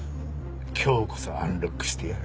今日こそアンロックしてやる。